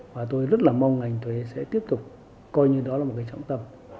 và tôi rất là mong ngành thuế sẽ tiếp tục coi như đó là một cái trọng tâm